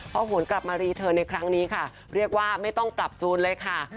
พอหวนกลับมารีเทิร์นในครั้งนี้ค่ะเรียกว่าไม่ต้องปรับจูนเลยค่ะ